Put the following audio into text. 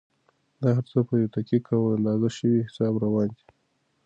دا هر څه په یو دقیق او اندازه شوي حساب روان دي.